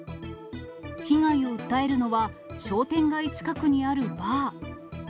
被害を訴えるのは、商店街近くにあるバー。